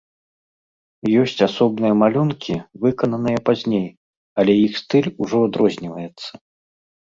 Ёсць асобныя малюнкі, выкананыя пазней, але іх стыль ужо адрозніваецца.